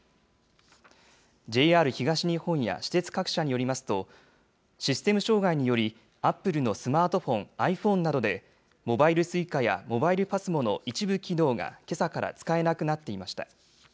ＪＲ東日本や私鉄各社によりますと、システム障害により、アップルのスマートフォン、ｉＰｈｏｎｅなどで、モバイルＳｕｉｃａやモバイルＰＡＳＭＯの一部機能がけさから使えなくなっていました。